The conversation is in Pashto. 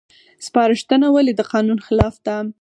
سپارښتنه ولې د قانون خلاف ده؟